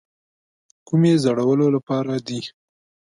کومې زړولو لپاره دي.